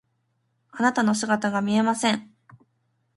あなたの姿が見えません。